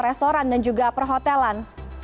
restoran dan juga perhotelan